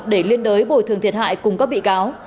để liên đối bồi thường thiệt hại cùng các bị cáo